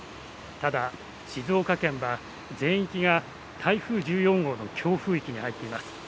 ただ静岡県は全域が台風１４号の強風域に入っています。